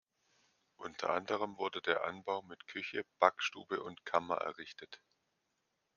Unter anderem wurde der Anbau mit Küche, Backstube und Kammer errichtet.